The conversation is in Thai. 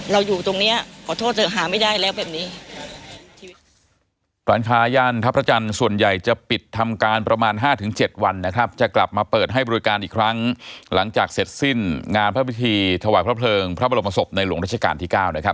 อยู่ตรงนี้ขอโทษเถอะหาไม่ได้แล้วแบบนี้